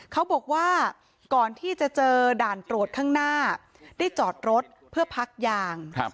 เขาบอกว่าก่อนที่จะเจอด่านตรวจข้างหน้าได้จอดรถเพื่อพักยาง